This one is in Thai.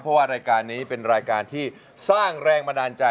เพราะว่ารายการนี้เป็นรายการที่สร้างแรงบันดาลใจ